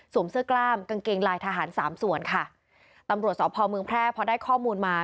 เสื้อกล้ามกางเกงลายทหารสามส่วนค่ะตำรวจสพเมืองแพร่พอได้ข้อมูลมา